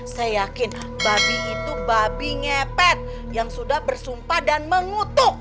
saya yakin babi itu babi ngepet yang sudah bersumpah dan mengutuk